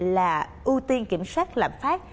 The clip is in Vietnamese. là ưu tiên kiểm soát lãm phát